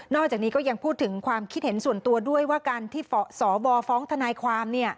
จากนี้ก็ยังพูดถึงความคิดเห็นส่วนตัวด้วยว่าการที่สวฟ้องทนายความ